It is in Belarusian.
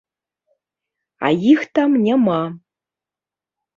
А іх там няма!